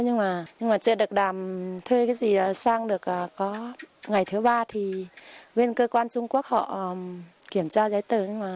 nhưng mà chưa được đàm